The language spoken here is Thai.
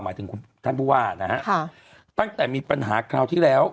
หมายถึงคุณท่านผู้ว่านะฮะตั้งแต่มีปัญหาคราวที่แล้ว